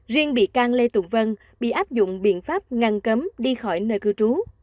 riêng bị can lê tùng vân bị áp dụng biện pháp ngăn cấm đi khỏi nơi cư trú